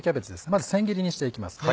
まず千切りにしていきますね。